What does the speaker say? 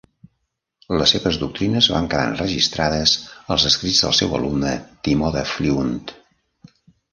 Les seves doctrines van quedar enregistrades als escrits del seu alumne, Timó de Fliunt.